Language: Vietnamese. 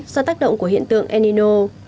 do tác động của hiện tượng el nino